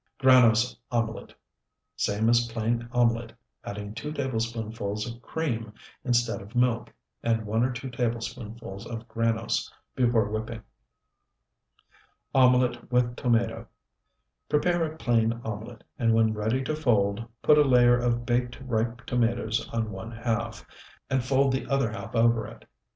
GRANOSE OMELET Same as plain omelet, adding two tablespoonfuls of cream instead of milk, and one or two tablespoonfuls of granose, before whipping. OMELET WITH TOMATO Prepare a plain omelet, and when ready to fold, put a layer of baked ripe tomatoes on one half, and fold the other half over it.